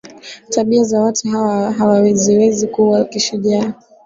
tabia za watu hao haziwezi kuwa za kishujaa